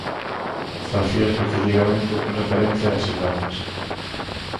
Facía especificamente referencia a eses datos.